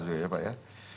sudah ya pak ya